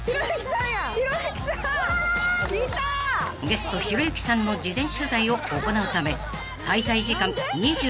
［ゲストひろゆきさんの事前取材を行うため滞在時間２４時間